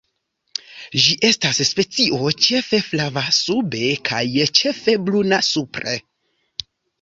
Ĝi estas specio ĉefe flava sube kaj ĉefe bruna supre.